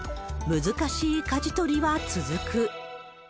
難しいかじ取りは続く。